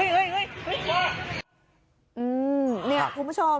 เร็วเร็วเร็วเร็วเร็วเรียกเราพอมาช่วยกันหน่อย